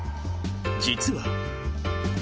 実は。